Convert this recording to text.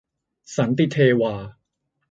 สันติเทวา